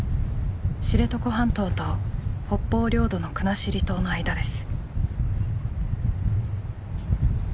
知床半島と北方領土の国後島の間です。